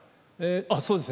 そうですね。